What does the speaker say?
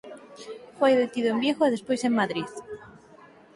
Foi detido en Vigo e despois en Madrid.